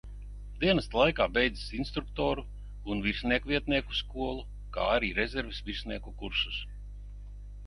Dienesta laikā beidzis instruktoru un virsniekvietnieku skolu, kā arī rezerves virsnieku kursus.